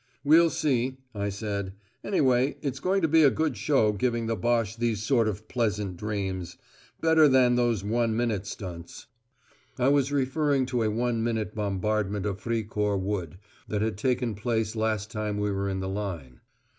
"We'll see," I said. "Anyway it's going to be a good show giving the Boche these sort of pleasant dreams. Better than those one minute stunts." I was referring to a one minute bombardment of Fricourt Wood, that had taken place last time we were in the line.